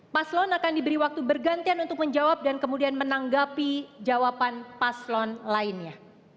paslon akan diberi waktu bergantian untuk menjawab dan kemudian menanggapi jawaban paslon lainnya